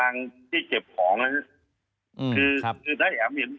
รถซึ้งขนาดนั้นคือ